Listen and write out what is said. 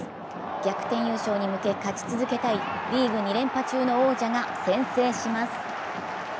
逆転優勝に向け勝ち続けたいリーグ２連覇中の王者が先制します。